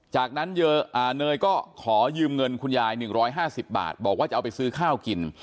จากนั้นเนยก็ขอยืมเงินคุณยาย๑๕๐บาทบอกว่าจะเอาไปซื้อข้าวกิน